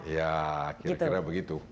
ya kira kira begitu